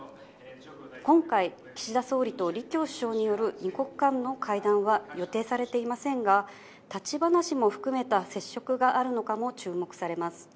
今回、岸田総理と李強首相による２国間の会談は予定されていませんが、立ち話も含めた接触があるのかも注目されます。